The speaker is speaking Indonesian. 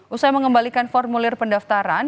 usai mengembalikan formulir pendaftaran